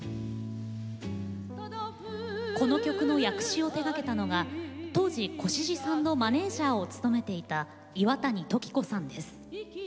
この曲の訳詞を手がけたのが当時、越路さんのマネージャーを務めていた岩谷時子さんです。